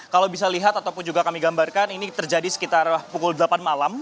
kalau bisa lihat ataupun juga kami gambarkan ini terjadi sekitar pukul delapan malam